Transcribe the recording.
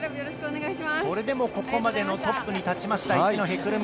それでもここまでのトップに立ちました、一戸くる実。